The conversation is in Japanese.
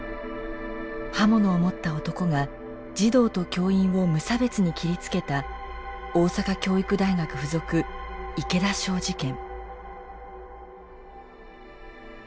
刃物を持った男が児童と教員を無差別に切りつけた大阪教育大学附属池田小事件。